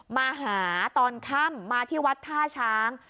มาหาตอนค่ำมาที่วัดท่าช้าง